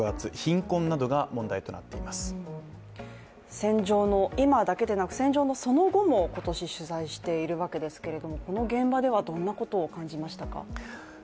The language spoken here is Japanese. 戦場の今だけでなく、戦場のその後も今年取材しているわけですけどもこの現場ではどんなことを感じましたか？